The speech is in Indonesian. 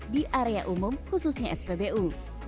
di area umum khususnya spbu